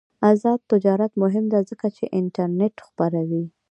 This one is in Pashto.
آزاد تجارت مهم دی ځکه چې انټرنیټ خپروي.